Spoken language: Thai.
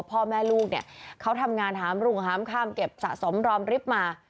พ่อแม่ลูกเนี่ยเขาทำงานหามรุ่งหามข้ามเก็บสะสมรอมริบมา